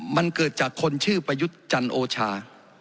มันเกิดจากคนชื่อประยุทธ์จันโอชา